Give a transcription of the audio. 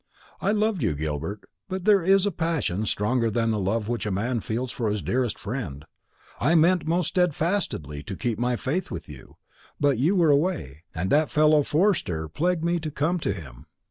I loved you, Gilbert; but there is a passion stronger than the love which a man feels for his dearest friend. I meant most steadfastly to keep my faith with you; but you were away, and that fellow Forster plagued me to come to him.